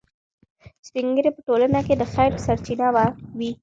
سپین ږیري په ټولنه کې د خیر سرچینه وي.